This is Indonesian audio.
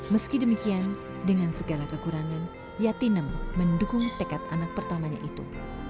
meski demikian dengan segala kekurangan yatinem mendukung tekad anak pertamanya itu